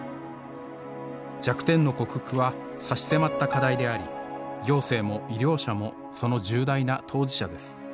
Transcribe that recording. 弱点の克服は差し迫った課題であり行政も医療者もその重大な当事者です。